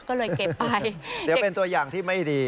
ก็เลยเก็บไปเดี๋ยวเป็นตัวอย่างที่ไม่ดี